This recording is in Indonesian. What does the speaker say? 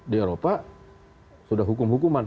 di eropa sudah hukum hukuman